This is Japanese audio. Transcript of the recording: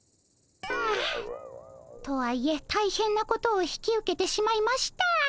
はあとはいえ大変なことを引き受けてしまいました。